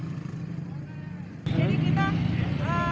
jadi kita kepada para pelajar